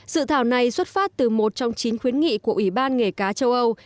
dự thảo này xuất phát từ một trong chín khuyến nghị của ủy ban nghề cá châu âu